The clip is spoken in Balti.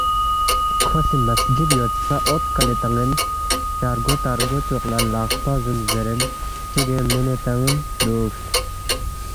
کھو سی مسجد یود سا اوت کلے تان٘ین شارگو تارگو چوق لہ لقپہ زُون زیرین چِیگِنگ مِنے تان٘ین دُوکس۔